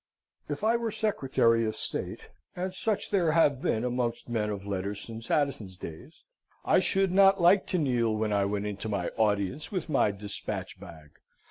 If I were Secretary of State (and such there have been amongst men of letters since Addison's days) I should not like to kneel when I went in to my audience with my despatch bog.